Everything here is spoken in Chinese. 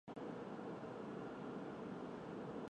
圣昂图万坎翁。